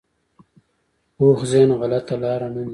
پوخ ذهن غلطه لاره نه نیسي